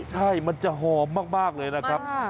ใช่มันจะหอมมากเลยนะครับ